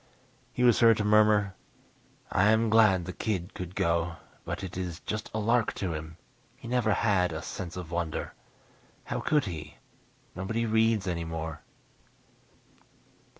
He was heard to murmur, "I am glad the kid could go, but it is just a lark to him. He never had a 'sense of wonder.' How could he nobody reads anymore."